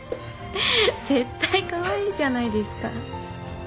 絶対カワイイじゃないですか。